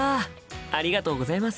ありがとうございます。